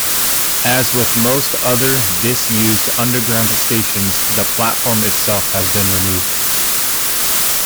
As with most other disused Underground stations, the platform itself has been removed.